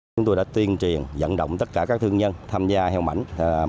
chúng tôi đã tuyên truyền vận động tất cả các thương nhân tham gia heo mảnh một trăm linh